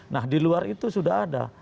nah di luar itu sudah ada